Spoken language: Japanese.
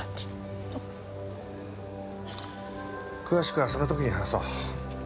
詳しくはその時に話そう。